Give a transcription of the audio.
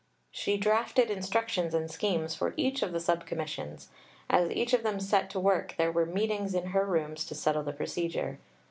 She drafted instructions and schemes for each of the Sub Commissions. As each of them set to work, there were meetings in her rooms to settle the procedure.